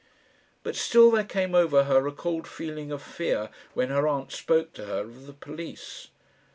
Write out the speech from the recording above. But still there came over her a cold feeling of fear when her aunt spoke to her of the police.